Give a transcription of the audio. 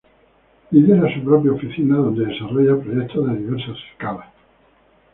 Lidera su propia oficina donde desarrolla proyectos de diversas escalas.